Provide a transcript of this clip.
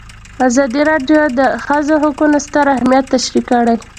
ازادي راډیو د د ښځو حقونه ستر اهميت تشریح کړی.